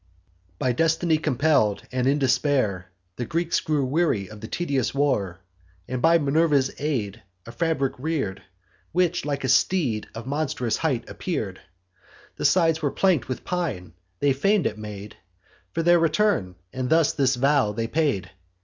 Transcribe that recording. "By destiny compell'd, and in despair, The Greeks grew weary of the tedious war, And by Minerva's aid a fabric rear'd, Which like a steed of monstrous height appear'd: The sides were plank'd with pine; they feign'd it made For their return, and this the vow they paid.